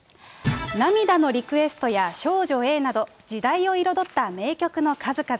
涙のリクエストや少女Ａなど時代を彩った名曲の数々。